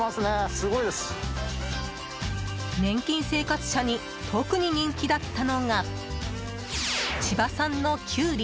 年金生活者に特に人気だったのが千葉産のキュウリ。